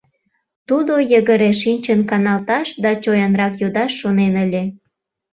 Тудо йыгыре шинчын каналташ да чоянрак йодаш шонен ыле.